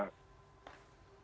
terima kasih mbak